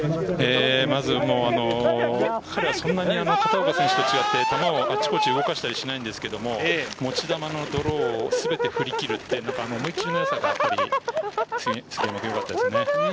まず彼はそんなに片岡選手と違って、球をあちこち動かしたりしないんですが、持ち球のドローを全て振り切るという思い切りのよさが杉山君、よかったですね。